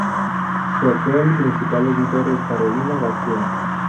Su actual y principal editor es Carolina García.